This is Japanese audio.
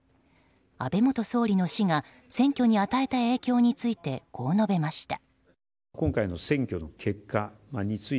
安倍総理の死が選挙に与えた影響についてこう述べました。